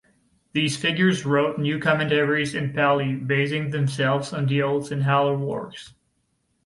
These figures wrote new commentaries in Pali (basing themselves on the old Sinhala works).